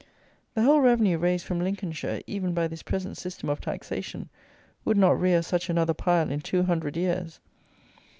The whole revenue raised from Lincolnshire, even by this present system of taxation, would not rear such another pile in two hundred years.